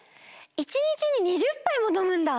１日に２０ぱいものむんだ！